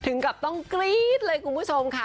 ถึงกับต้องกรี๊ดเลยคุณผู้ชมค่ะ